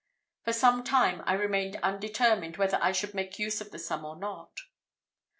For some time I remained undetermined whether I should make use of the sum or not.